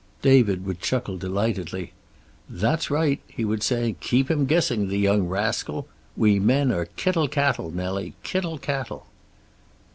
David would chuckle delightedly. "That's right," he would say. "Keep him guessing, the young rascal. We men are kittle cattle, Nellie, kittle cattle!"